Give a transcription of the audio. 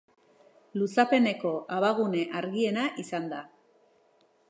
Luzapeneko abagune argiena izan da.